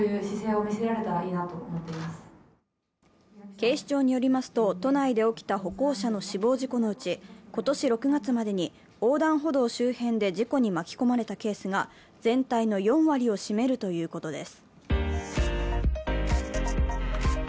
警視庁によりますと、都内で起きた歩行者の死亡事故のうち今年６月までに横断歩道周辺で事故に巻き込まれたケースが全体の４割を占めるということです。